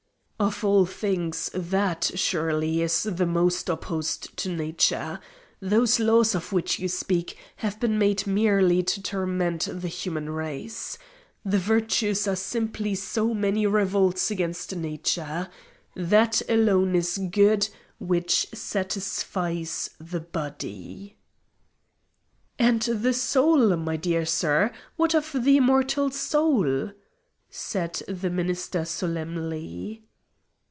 "Of all things that, surely, is the most opposed to Nature. Those laws of which you speak have been made merely to torment the human race. The virtues are simply so many revolts against Nature. That alone is good which satisfies the body." "And the soul, my dear sir! What of the immortal soul!" said the minister solemnly.